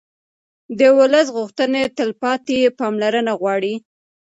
د ولس غوښتنې تلپاتې پاملرنه غواړي